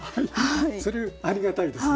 それありがたいですね。